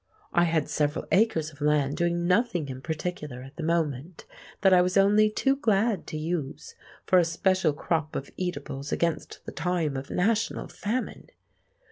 I had several acres of land doing nothing in particular at the moment, that I was only too glad to use for a special crop of eatables against the time of national famine.